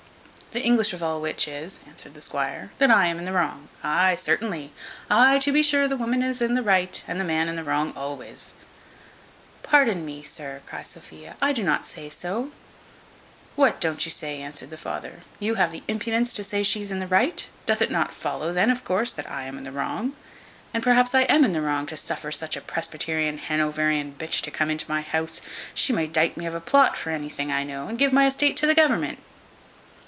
"The English of all which is," answered the squire, "that I am in the wrong. Ay, certainly. Ay, to be sure the woman is in the right, and the man in the wrong always." "Pardon me, sir," cries Sophia. "I do not say so." "What don't you say?" answered the father: "you have the impudence to say she's in the right: doth it not follow then of course that I am in the wrong? And perhaps I am in the wrong to suffer such a Presbyterian Hanoverian b to come into my house. She may 'dite me of a plot for anything I know, and give my estate to the government."